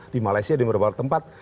di malaysia di beberapa tempat